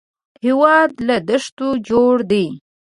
هېواد له دښتو جوړ دی